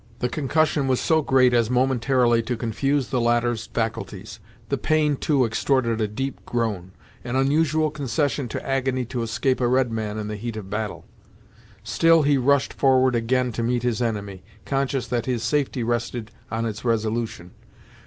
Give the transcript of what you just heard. The concussion was so great as momentarily to confuse the latter's faculties. The pain, too, extorted a deep groan; an unusual concession to agony to escape a red man in the heat of battle. Still he rushed forward again to meet his enemy, conscious that his safety rested on it's resolution.